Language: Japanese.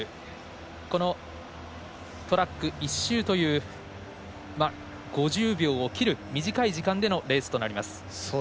このトラック１周という５０秒を切る短い時間でのレースとなります。